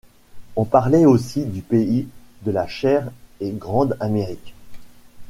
On parlait aussi du pays, de la chère et grande Amérique.